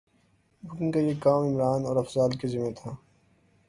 booking کا یہ کام عمران اور افضال کے ذمے تھے